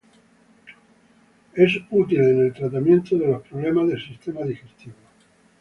Es útil en el tratamiento de los problemas de sistema digestivo.